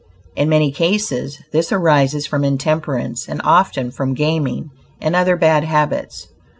In many cases, this arises from intemperance, and often from gaming, and other bad habits.